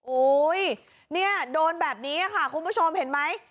อุ้ยเนี่ยโดนแบบนี้ค่ะคุณผู้ชมเห็นไหม